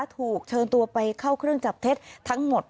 ถูกเชิญตัวไปเข้าเครื่องจับเท็จทั้งหมด